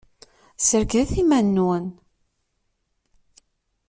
Serkdet iman-nwen!